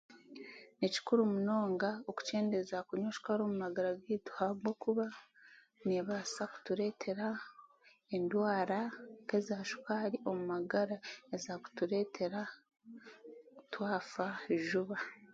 Ni kikuru munonga okukyendeeza kunywa shukaari omu magara gaitu ahabwokuba neebaasa kutureetera endwara nk'eza shukaari omu magara ezakutureetera twafa juba